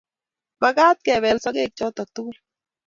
Magaat kebeel sogeek choto tugul